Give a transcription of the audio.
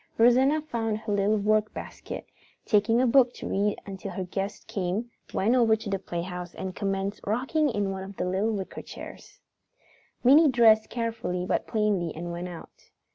Rosanna found her little workbasket and, taking a book to read until her guests came, went over to the playhouse and commenced rocking in one of the little wicker chairs. Minnie dressed carefully but plainly and went out.